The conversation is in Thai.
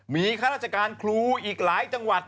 มีข้าราชการครูอีกหลายจังหวัด